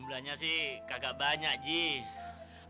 pula kita bervlos banget sih